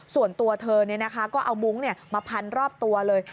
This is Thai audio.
ส่วนตัวเธอก็เอามุ้งมาพันรอบตัวเลย